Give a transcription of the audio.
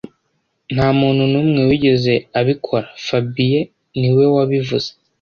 Nta muntu n'umwe wigeze abikora fabien niwe wabivuze